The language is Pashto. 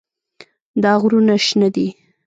دا غرونه شنه دي.